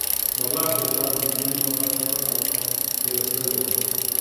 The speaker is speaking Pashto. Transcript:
بغلان د هېواد نږدې نیمه برخه ده او هېره شوې وه